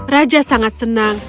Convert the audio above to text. raja sangat senang